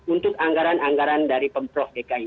untuk anggaran anggaran dari pemprov dki